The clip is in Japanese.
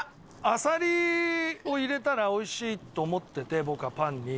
あさりを入れたら美味しいと思ってて僕はパンに。